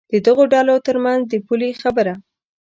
د دغو ډلو تر منځ د پولې خبره.